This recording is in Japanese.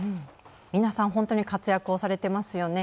皆さん、本当に活躍をされてますよね。